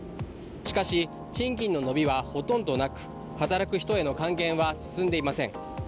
しかし、賃金の伸びはほとんどなく働く人への還元は進んでいません。